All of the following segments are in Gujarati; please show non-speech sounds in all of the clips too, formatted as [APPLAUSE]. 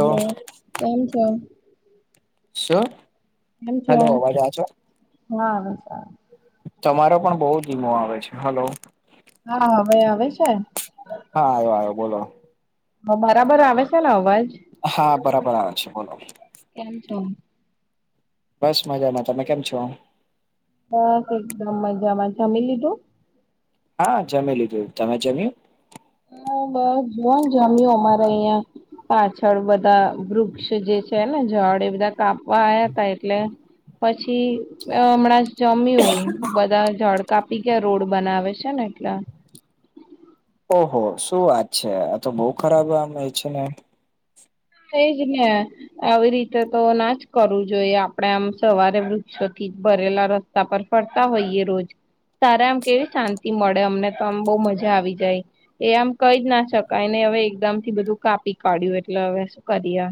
હલો કેમ છો શ એમ છો હા તમારો પણ બહુ ઘીમો આવે છે હલો હા હવે આવે છે હા આવ્યો આવ્યો બોલો હ બરાબર આવે છે ને અવાજ હા બરાબર આવે છે બોલો કેમ છો બસ મજામાં તમે કેમ છો બસ એકદમ મજામાં જમી લીધું હા જમી લીધું તમે જમ્યું બસ જોન જામ્યું અમારે અહિયાં પાછળ બધા વૃક્ષ જે છે ને ઝાડ એ બધા કાપવા આવયા તા એટલે પછી હમણાં જમ્યું બધા ઝાડ કાપી ગયા રોડ બનાવે છે ને એટલા ઓહો શું વાત છે આ તો બહુ ખરાબ આમ છે ને તેજ ને આવી રીતે તો ના જ કરવું જોઈએ આપણેે આમ સવારે વૃક્ષોથી ભરેલા રસ્તા તા પર ફરતા હોઈએ રોજ તારા આમ કેવી શાંતિ મળે અમને તો આમ બહ મજા આવી ગય એ આમ કઈ જ ના શકાયને હવે એકદમ થી બધું કાપી કાઢ્યું એટલે હવે શું કરીએ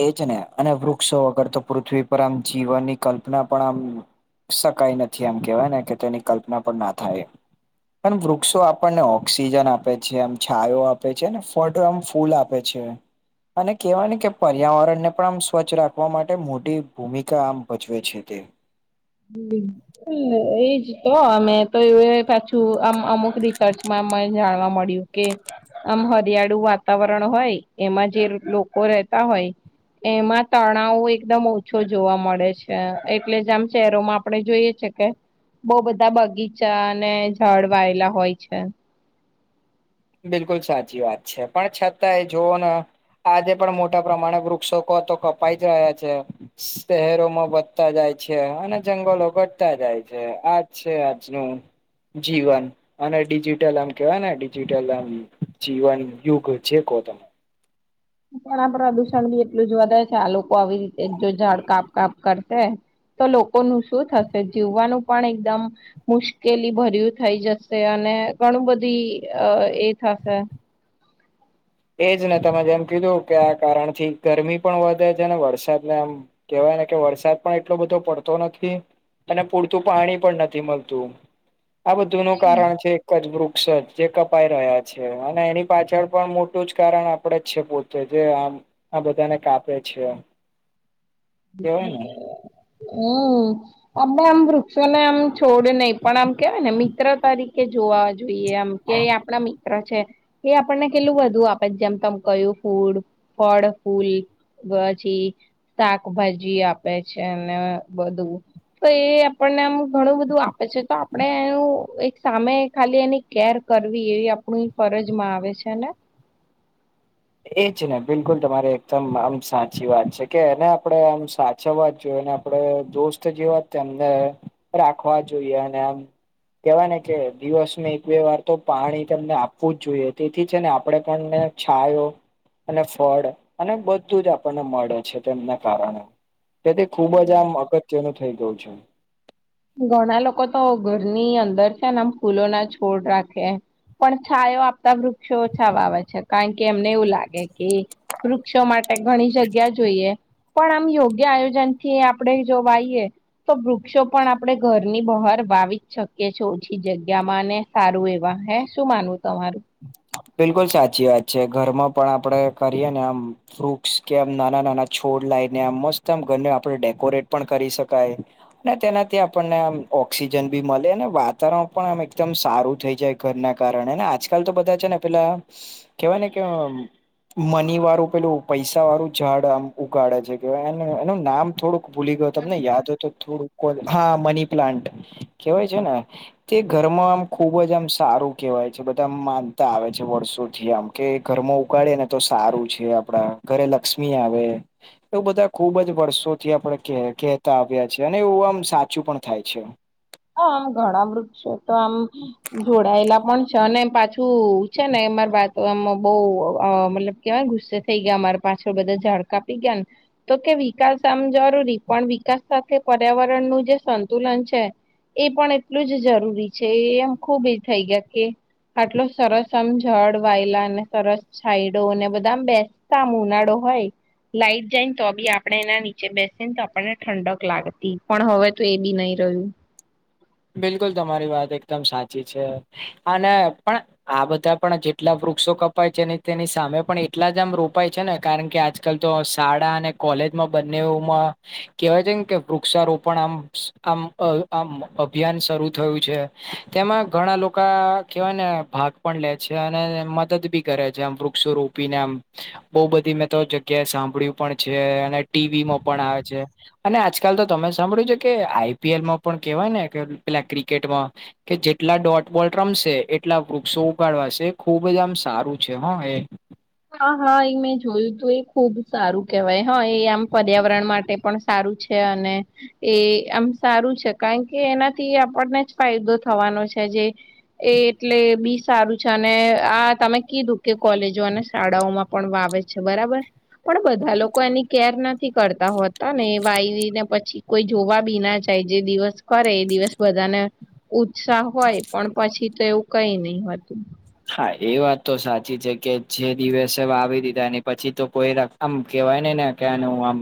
એ જ ને અને વૃક્ષો વગર તો પૃથ્વી પર આમ જીવનની કલ્પના પણ આમ શકાય નથી આમ કેવાય ને કે તેની કલ્પના પણ ના થાય પણ વૃક્ષો આપણને ઓક્સિજન આપે છે એમ છાંયો આપે છે ને ફટો એમ ફૂલ આપે આપ છે અને કેવાની કે પર્યાવરણ ને પણ આમ સ્વચ્છ રાખવા માટે મોટી ભૂમિકા આમ ભજવે છે તે એજ તો અમે તો એ પાછું અમુક રિસર્ચમાંને જાણવા મળ્યું કે આમ દરિયાળું વાતાવરણ હોય એમાં જે લોકો રહેેતા હોય એમાં તણાવો એકદમ ઓછો જોવા મળે છે એટલે જ એમ શહેરોમાં આપડણે જોઈએ છે કે બહ બધા બગીચા અને જળ વાયેલા હોય છે બિલકુલ સાચી વાત છે પણ છતાંય જોવો ને આજે પણ મોટા પ્રમાણે વૃક્ષકો તો કપાઈ જ રહ્યા છે શહેરોમાં વધતા જાય છે અને જંગલો ઘટતા જાય છે આજ છે આજનું જીવન અને ડિજિટલ એમ કેવાય ને જેટલમ જીવન યુગ જે કો તને પણ આ પ્રદુષણ બી એટલું જ વધે છે આ લોકો આવી રીતે જો ઝાડ કાપ કાપ કરશે તો લોકોનું શું થશે જીવવાનું પણ એકદમ મુશ્કેલી ભર્યું થઇ જશે અને ઘણું બધી એ થશે એજ ને તમે જેમ કીધું કે આ કારણ થી ગરમી પણ વધે છે ને વરસાદને એમ કેવાય ને કે વરસાદ પણ એટલો બધો પડતો નથી અને પૂરતું પાણી પણ નથી મળતું આ બધું નું કારણ છે એક જ વૃક્ષ જ જે કપાઈ રહ્યા છે અને એની પાછળ પણ એટલું જ કારણ આપણેે જ છે પોતે જે આ આ બધાને કાપે છે કેવાય ને [INAUDIBLE] અમે આમ વૃક્ષોને આમ છોડ નહી પણ આમ કેવાય ને મિત્ર તરીકે જોવા જોઈએ આમ કે આપણા છે એ આપણને કેટલું બધું આપે જેમ તમ કયું ફૂડ ફળ ફૂલ ગ ચી શભાજી આપે છે અને બધું તો એ આપણને આમ ઘણું બધું આપે છે તો આપડણે એનું એક સામે ખાલી એની કેર કરવી એવી આપણી ફરજમાં આવે છે ને એ જ ને બિલકુલ તમારે એકદમ આમ સાચી વાત છે કે એને આપડે આમ જવા જોઈએ આપડે દોસ્ત જે વાત એમને રાખવા જોઈએ અને આમ કેવાય ને કે દિવસ એક બે વાર તો પાણી તમને આપવું જ જોઈએ તેથી છે ને આપડે પણને છયો અને ફળ અને બધું જ આપણને મળે છે તેમના કારણે તે તે ખુબ જ આમ અગત્યનું થઇ ગયું છે ઘણા લોકો તો ઘરની અંદર છે ને આમ ફૂલો ના છોડ રાખે પણ છાયો આપતા વૃક્ષો છાવા આવે છે કારણ કે એમને એવું લાગે કે વૃક્ષો માટે ઘણી જગ્યા જ પણ આમ યોગ્ય આયોજનથી આપણે જો વાઈએ તો વૃક્ષો પણ આપડણે ઘરની બહાર વાવી જ શકીએીએ ઓછી જગ્યા માં ને સારું એવા હૈ શું માનવું તમારું બિલકુલ સાચી વાત છે ઘરમાં પણ આપડે કરીએ ને આમ ફ્રુટસ કે આમ નાના નાના છોડ લાવને આ મસ્ત આમ ઘરને આપણે ડેકોરેટ પણ કરી શકાય ને તેનાથી આપણને આમ ઓક્સિજન બી મળે અને વાતાવરણ પણ આમ એકદમ સારું થઈ જાય ઘરના કારણેને આજકાલ તો બધા છે ને પેલા કેવાય ને કે મની વાળું પેલું પૈસા વાળું ઝાડ આમ ઉગાડે છે કેવાય એ એનું નામ થોડુંક ભૂલી ગયો તમને યાદ હો તો થોડું કો હા મની પ્લાન્ટ કેવાય છે ને તે ઘરમાં આમ ખુબ જ આમ સારું કેવાય છે બધામ માન આવે છે વર્ષોથી આમ કે ઘરમાં ઉગાડે ને તો સારું છે આપડા ઘરે લક્ષ્મી આવે એું બધા ખુબ જ વર્ષોથી આપણે કહેતા આવ્યા છેએ અને એવું આમ સાચું પણ થાય છે હ આમ ઘણા વૃદક્ષ છેો તો આમ જોડાયેલા પણ છે અને પાછું છે ને એમાર એમાં બહ મતલબ કેવા ગુસ્સે થઈ ગયા મામારે પાછળ બધા ઝડ કાપી ગયા ને તો કે વિકાસ આમ જરૂરી પણ વિકાસ સાથે પર્યાવરણ નું જે સંતુલન છે એ પણ એટલું જ જરૂરી છે એમ ખુબ એ થઈ ગયા કે આટલો સરસ આમ જળ વાયલા અને સરસ સાઈડોને બધા બેસતામ ઉનાળો હોય લાઈટ જાય ને તો બી આપણે એના નીચે બેસી ને તો આપણને ઠંડક લાગતી પણ હવે તો એ બી નહી રહ્યું બિલકુલ તમારી વાત એકદમ સાચી છે અને પણ આ બધા પણ જેટલા વૃક્ષો કપાય છે અનેને તેની સામે પણ એટલા જ આમ રોપાય છે ને કારણ કે આજ આજકાલ તો શાળા અને કોલેજમાં બંનેમાં કેવાય છે ને કે વૃક્ષારોપણ આમ આમ આમ અભિયાન શરૂુ થયું છે તેમાં ઘણા લોકો કેવાય ને ભાગ પણ લે છે અને મદદ ભી કરે છે આમ વૃક્ષો રોપીને આમ બઉ બધી મેં તો જગ્યાએ સાંભળ્યું પણ છે અને ટીવીમાં પણ આવે છે અને આજકાલ તો તમે સાંભળ્યું છે કે આઈપીએલમાં પણ કેહેવાય ને કે પેલા ક્રિકેટમાં કે જેટલા ડોટબોલ રમશે એટલા વૃક્ષો ઉગાડવાશે ખુબ જ આમ સારું છે હ એ હા હા એ મેં જોયું તું એ ખુબ સારું કેહેવાય હા એ આમ પર્યાવરણ માટે પણ સારું છે અને એ આમ સારું છે કારણ કે એનાથી આપણને જ ફાયદો થવાનો છે જે એ એટલે બી સારું છે અને આ તમે કીધું કે કોલેજો અને શાળાઓમાં પણ વાવે છે બરાબર પણ બધા લોકો એની કેર નથી કરતા હોતા ને એ વાય ને પછી કોઈ જોવા બી ના જાય જે દિવસ કરે એ દિવસ બધાને ઉત્સાહ હોય પણ પછી તો એવું કઈ નહી હતું હા એ વાત તો સાચી છે કે છે દિવસે આવી દીધા પછી તો કોઈ રાખ આમ કવાય ને ને ક આમ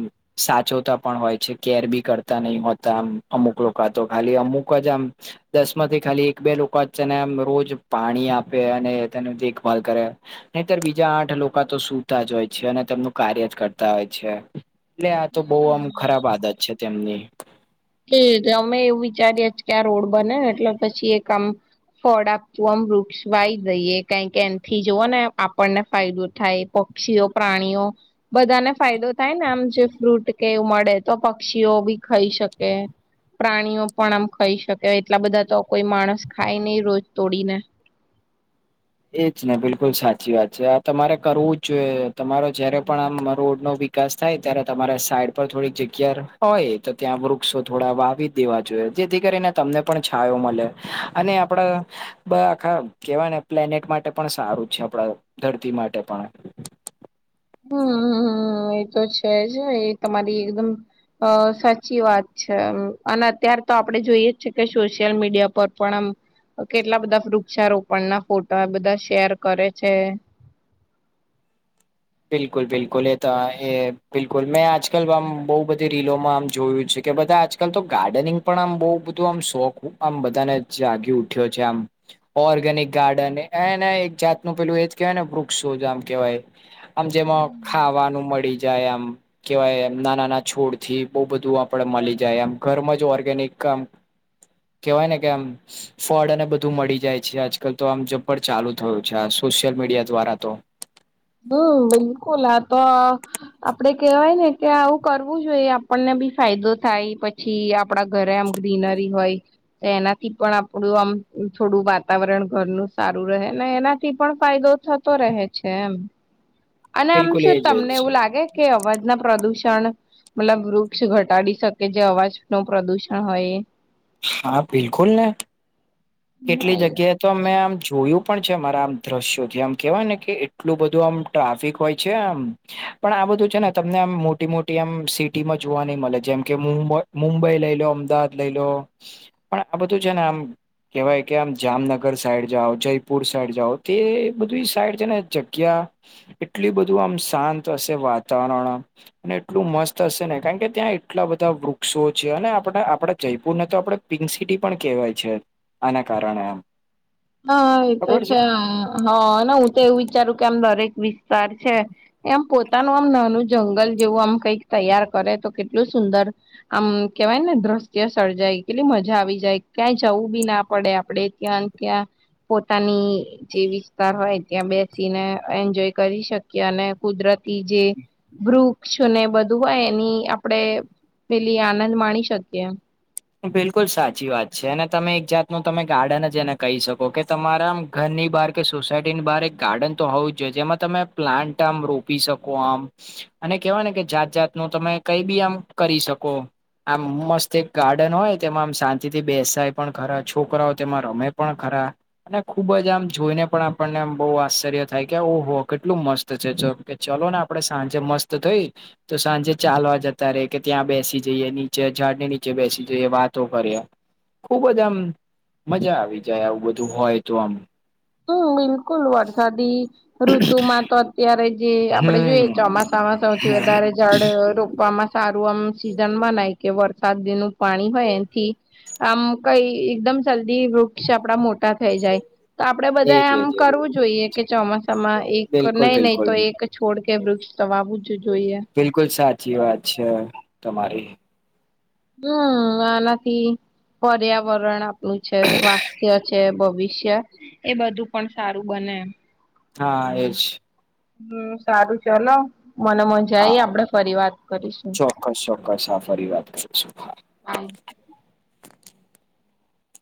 સાચવતા પણ હોય છે કેર બી કરતા નહીિ હોતા આમ અમુક લોકો તો ખાલી અમુક જ આમ દસ માંથી ખાલી એક બે લોકો વચ્ચે નેમ રોજ પાણી આપે અને તેની દેખભાલ કરે નહીતર બીજા આઠ લોકો તો સુતા જ હોય છે અને તેમનું કાર્ય જ કરતા હોય છે એટલે આ તો બહુ આમ હમ ખરાબ આદત છે તેમની એટલે અમે એવું વિચારીએ કે આ રોડ બને એટલે પછી એ કામ ફળ આપતું આમ વૃક્ષવાય દઈએ કણ કે એનાથી જઓ ને આપણને ફાયદો થાય પક્ષીઓ પ્રાણીઓ બધાને ફાયદો થાય ને આમ જે ફ્રૂટ કે એવું મળે તો પક્ષીઓ બી ખાઈ શકે ઓકે પ્રાણીઓ પણ આમ ખાઈ શકે એટલા બધા તો કોઈ માણસ ખાય નહી રોજ તોડીને એજ ને બિલકુલ સાચી વાત છે આ તમારે કરવું જ જોઈએ તમારો જયારે પણ આમ રોડ ન વિકાસ થાય ત્યારે તમારા સાઈડ પર થોડીક જગ્યા હોય તો ત્યાં વૃક્ષો થોડા વાવી દેવા જોઈએ જેથી કરીને તમને પણ છાયો મળે અને આપડા બ આખા કેવાય ને પ્લેનેટ માટે પણ સારું છે આપણા ધરતી માટે પણ હમમ એ તો છે જ એ તમારી એકદમ અ સાચી વાત છે અને અત્ય્યારે તો આપડે જોઈએ છે કે સોશિયલ મીડિયા પર પણ આમ કેટલા બધા વૃક્ષારોપણ ના ફોટા બધા શેર કરે છે બિલકુલ બિલકુલ એ એ બિલકુલ મેં આજકાલ આ બહુ બધી રીલોમાં આમ જોયું છે કે બધા આ લ તો ગાર્ડનિંગ પણ આમ બહ બધું આમ શોખ આમ બધાને આગી ઉઠ્યો છે આમ ઓર્ગેનિક ગાર્ડન એને એક જાતનું પેલું એ જ કેહેવાય ને વૃક્ષો આમ કહેવાય આમ જેમાં ખાવાનું મળી જાય આમ કેવાય એમ ના નાના છોડ થી બહુ બધું આપડે મળી જાય એમ ઘરમાં જ ઓર્ગેનિક કામ [UNINTELLIGIBLE] કેવાય ને કે આમ ફોડ અને બધું મળી જાય છે આજકાલ તો આમ જઝ્પર ચાલુ થયું છે આ સોશિયલ મીડિયા દ્વારા તો હમ બિલકુલ આ તો આપડે કેહેવાય ને કે આવું કરવું જોઈએ આપણને બી ફાયદો થાય પછી આપડા ઘરે આમ ગ્રીનરી હોય એનાથી પણ આપડું આમ થોડું વાતાવરણ ઘરનું સારું રહે ને એનાથી પણ ફાયદો થતો તો રહે છે એમ અને આમ બિલકુલ શું એજ એજ તમને એવું લાગે કે અવાજના પ્રદુષણ મતલબ વૃક્ષ ઘટાડી શકે જે અવાજ નું પ્રદુષણ હોય હા બિલકુલ ને ના કેટલી એ જગ્યા તો મેમે આમ જોયું પણ છે અમારા આમ દ્રશ્યોથી આમ કેહેવાય ને કે એટલું બધું આમ ટ્રાફિક હોય છે આમ પણ આ બધું છે ને તમને આમ મોટી મોટી આમ સિટીમાં જોવા નઈ મળે જેમ કે મુંબઈ મુંબઈ લઈ લો અમદાવાદ લઈ લો પણ આ બધું છે ને આમ કેહેવાય કે આમ જામનગર સાઈડ જાઓ જયપુર સાઈ જાઓ તે બધી સાઈડ છે ને જગ્યા એટલી બધું આમ શાંત હશે વાતાવરણમ અને એટલું મસ્ત હશે ને કારણ કે ત્યાં એટલા બધા વૃક્ષો છે અને આપણે આપણે જયપુરને તો આપણે પિંક સિટી પણ કહેવાય છે આના કારણે આમ હા એતો છે હા ને હું તો એવું વિચારું કે આમ દરેક વિસ્તાર છે. એ આમ પોતાનું આમ નાનું જંગલ જેવું આમ કઈક તૈયાર કરે તો કેટલું સુંદર આમ કેવાયને દ્રશ્ય સર્જાય કેટલી મજા આવી જાય ક્યાંય જવું બી ના પડે આપડે ત્યાં ત્યાં પોતાની જે વિસ્તાર હોય ત્યાં બે બેને એન્જોય કરી શકીએ અને કુદરતી જે વૃક્ષ છ ને બધું હોય એની આપણેે પેલી આનંદ માણી શકીએ બિલકુલ સાચી વાત છે અને તમે એક જાતનું તમે ગાર્ડન જ એને કહી શકો કે તમારામ ઘરની બહાર કે સોસાયટીની બહાર એક ગાર્ડન તો હોવું જ જોઈએ જેમાં તમે પ્લાન્ટ આમ રોપી શકો આમ અને કેવા ને કે જાત જાત નું તમે કઈ બી આમ કરી શકો આમ મસ્ત ગાર્ડન હોય તેમાં આમ શાંતિ થી બેસાય પણ ખરા છોકરાઓ તેમાં રમે પણ ખરા. અને ખુબ જ આમ જોઈને પણ આપણનેમ બહુ આશ્ચર્ય થાય કે ઓ હો કેટલું મસ્ત જોકે ચલો ને આપડે સાંજે મસ્ત થઈ તો સાંજે ચાલવા જતા રે કે ત્યાં બેસી જઈએ નીચે ઝાડ ને ની નીચે બેસી જઈટ એ વાતો કરીએ. ખુબ જ આમ મજા આવી જાય આવું બધું હોય તો આમ. હમ બિલકુલ વરસાદી ઋતુ માં તો અત્યારે જ જે આપડે હમ જોઈએ ચોમાસામાં સૌથી વધારે ઝાડ રોપવામાં સારું આમ સિઝન બનાય કે વરસાદ ન પાણી હોય એથી આમ કઈ એકદમ જલ્દી વૃક્ષ આપડા મોટા થઈ જાય. તો આપડે બધા એજ આમ એજ એજ કરવું જોઈએ કે ચોમાસામાં એક બિલકુલ નહી નહી તો બિલકુલ એક એક છોડ કે વૃક્ષ તો વાવું જ જોઈએ. બિલકુલ સાચી વાત છે તમારી. હમ હ આનાથી પર્યાવરણ આપણું છે સ્વાસ્થ્ય છે ભવિષ્ય એ બધું પણ સારું બને એ. હા એજ. હમ સારું ચલો મને મજા હા આવી આપડે ફરી વાત કરીશું. [INAUDIBLE] ચોક્કસ ચોક્કસ હા ફરી વાત કરીશું હા